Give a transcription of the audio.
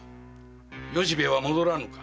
由兵衛は戻らぬか。